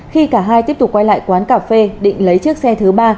khi cả hai tiếp tục quay lại quán cà phê định lấy chiếc xe thứ ba